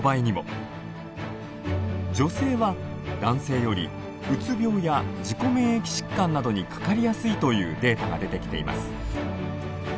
女性は男性よりうつ病や自己免疫疾患などにかかりやすいというデータが出てきています。